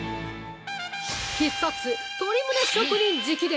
必殺鶏むね職人直伝！